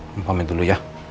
mumpamin dulu ya